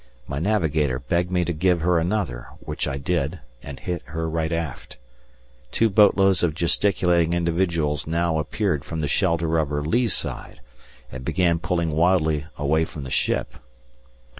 My Navigator begged me to give her another, which I did, and hit her right aft. Two boatloads of gesticulating individuals now appeared from the shelter of her lee side and began pulling wildly away from the ship.